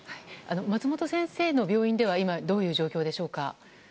松本先生の病院では今どういう状況でしょうか？